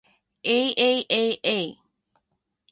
aaaa